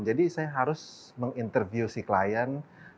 jadi saya harus menginterview si klien